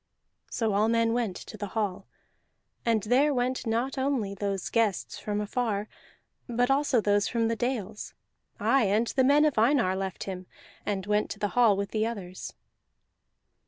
So all men went to the hall; and there went not only those guests from afar, but also those from the dales. Aye, and the men of Einar left him, and went to the hall with the others.